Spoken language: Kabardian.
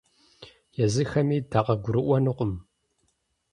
Езыхэми дакъыгурыӏуэнукъым.